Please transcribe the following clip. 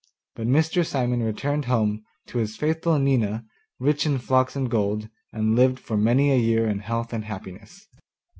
But Mr. Simon returned home to his faithful Nina rich in flocks and gold, and lived for many a year in health and happiness.